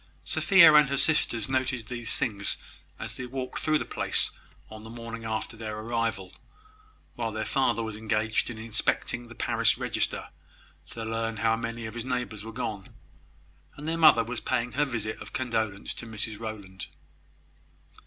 Sophia and her sisters noted these things as they walked through the place on the morning after their arrival, while their father was engaged in inspecting the parish register, to learn how many of his neighbours were gone, and their mother was paying her visit of condolence to Mrs Rowland.